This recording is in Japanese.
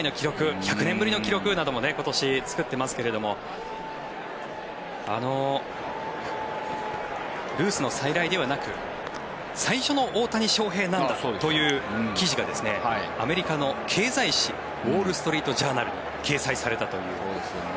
１００年ぶりの記録なども今年作ってますけれどもルースの再来ではなく最初の大谷翔平なんだという記事がアメリカの経済紙ウォール・ストリート・ジャーナルに掲載されたという。